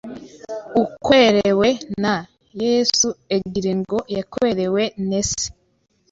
Ukwerewe n’Yesu, egire ngo yekwerewe ne se